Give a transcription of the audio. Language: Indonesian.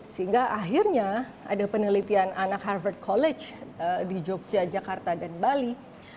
sehingga akhirnya ada penelitian anak harvard college di jogja jakarta dan bali